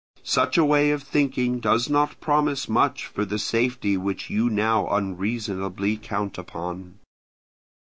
Such a way of thinking does not promise much for the safety which you now unreasonably count upon.